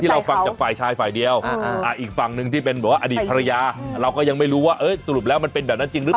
เราฟังจากฝ่ายชายฝ่ายเดียวอีกฝั่งหนึ่งที่เป็นบอกว่าอดีตภรรยาเราก็ยังไม่รู้ว่าสรุปแล้วมันเป็นแบบนั้นจริงหรือเปล่า